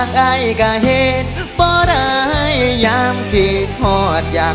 คว่ำกดดัน